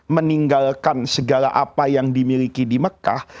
meninggalkan segala apa yang dimiliki di mekah